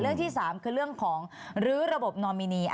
เรื่องที่๓คือเรื่องของรื้อระบบนอมินี